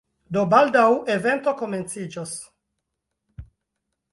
Do, baldaŭ evento komenciĝos